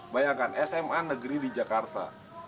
bayangkan sma negeri di jakarta